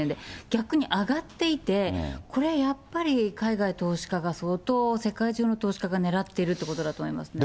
逆に上がっていて、これはやっぱり海外投資家が相当、世界中の投資家が狙ってるってことだと思いますね。